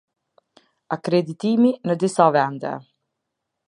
Akreditimi në disa vende.